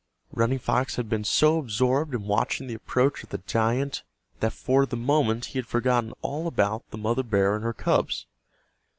Running Fox had been so absorbed in watching the approach of the giant that for the moment he had forgotten all about the mother bear and her cubs.